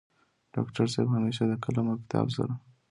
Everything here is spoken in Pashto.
ډاکټر صيب همېشه د قلم او کتاب سره